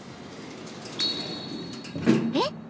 ［えっ！？